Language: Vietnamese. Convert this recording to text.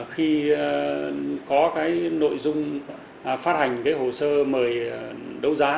khi có cái nội dung phát hành cái hồ sơ mời đấu giá